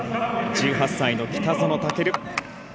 １８歳の北園丈琉。